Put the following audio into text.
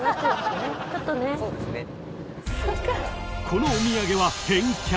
［このお土産は］